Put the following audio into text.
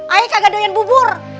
ayah nggak doyan bubur